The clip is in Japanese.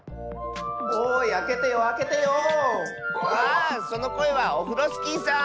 あそのこえはオフロスキーさん。